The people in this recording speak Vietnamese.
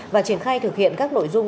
và triển khai thực hiện các nội dung